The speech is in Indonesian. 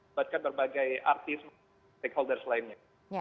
buatkan berbagai artis stakeholders lainnya